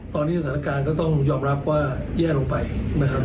ตอนนี้สถานการณ์ก็ต้องยอมรับว่าแย่ลงไปนะครับ